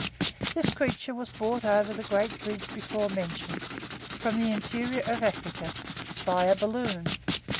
This creature was brought over the great bridge before mentioned, from the interior of Africa, by a balloon.